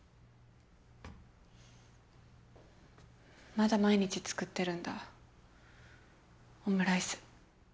まだ毎日作ってるんだオムライス。